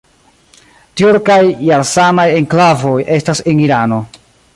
Tjurkaj Jarsanaj enklavoj estas en Irano.